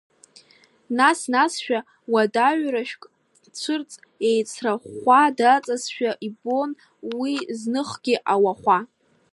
Нас-насшәа уадаҩра-шәк цәырҵт еицрыхәхәа, даҵазшәа ибон уи зныхгьы ауахәа.